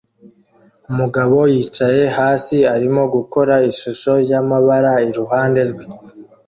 Umugabo yicaye hasi arimo gukora ishusho y'amabara iruhande rwe